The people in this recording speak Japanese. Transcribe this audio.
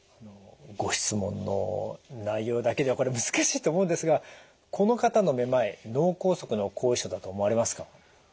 ご質問の内容だけではこれ難しいと思うんですがこの方のめまい脳梗塞の後遺症だと思われますか？